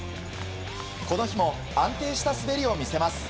この日も安定した滑りを見せます。